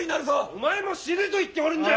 お前も死ぬと言っておるんじゃ！